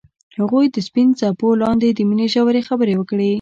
هغوی د سپین څپو لاندې د مینې ژورې خبرې وکړې.